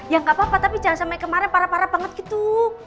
ya nggak apa apa tapi jangan sampai kemarin para parah banget gitu